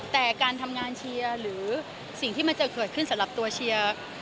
แต่การทำงานเชียร์หรือสิ่งที่มันจะเกิดขึ้นสำหรับตัวเชียร์